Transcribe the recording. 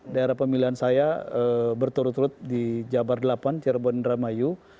daerah pemilihan saya berturut turut di jabar delapan cirebon indramayu